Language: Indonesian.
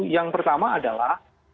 yang pertama adalah